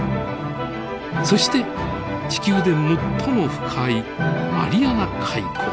そして地球で最も深いマリアナ海溝。